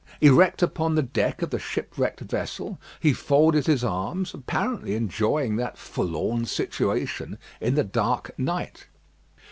Erect upon the deck of the shipwrecked vessel, he folded his arms, apparently enjoying that forlorn situation in the dark night.